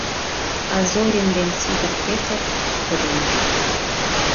А Зорин ден Сидыр Петр кодыныт.